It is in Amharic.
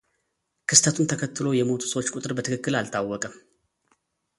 ክስተቱን ተከትሎ የሞቱ ሰዎች ቁጥር በትክክል አልታወቀም።